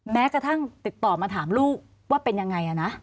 แม้กระทั่งติดต่อมาถามลูกว่าเป็นยังไงนะ